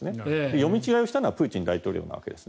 読み違えをしたのはプーチン大統領のわけです。